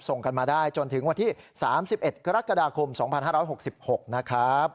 ส่งกันมาได้จนถึงวันที่๓๑กรกฎาคม๒๕๖๖นะครับ